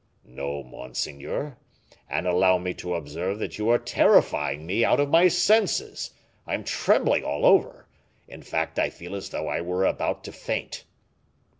"No, monseigneur; and allow me to observe that you are terrifying me out of my senses; I am trembling all over in fact, I feel as though I were about to faint."